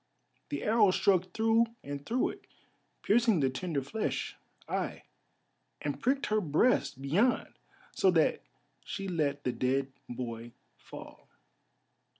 The arrow struck through and through it, piercing the tender flesh, aye, and pricked her breast beyond, so that she let the dead boy fall.